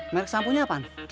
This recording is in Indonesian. merek samponya apaan